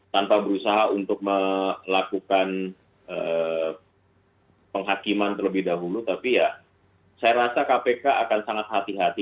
tanpa berusaha untuk melakukan penghakiman terlebih dahulu tapi ya saya rasa kpk akan sangat hati hati